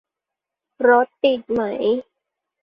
รถติดไหม